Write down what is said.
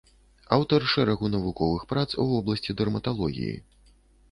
Аўтар шэрагу навуковых прац у вобласці дэрматалогіі.